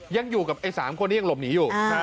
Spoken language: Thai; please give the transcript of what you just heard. ยังอยู่กับไอ้๓คนที่ยังหลบหนีอยู่